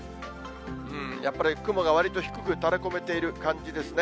やっぱり雲がわりと低く垂れこめている感じですね。